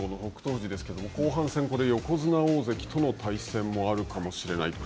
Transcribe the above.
富士ですけど後半戦、横綱・大関との対戦もあるかもしれないと。